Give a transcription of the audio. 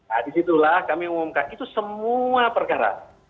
nah disitulah kami umumkan itu semua perkara